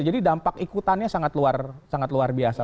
jadi dampak ikutannya sangat luar biasa